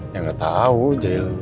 ya gak tau jahil